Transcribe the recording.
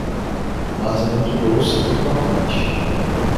Mas é muito doce e crocante!